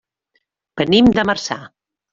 Venim de Marçà.